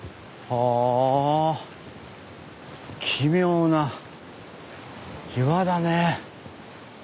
あ奇妙な岩だね。